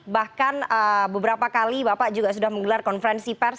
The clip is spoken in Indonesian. bahkan beberapa kali bapak juga sudah menggelar konferensi pers